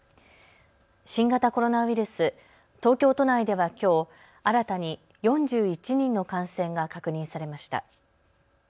新型コロナウイルス、東京都内ではきょう新たに４１人の感染が確認されました。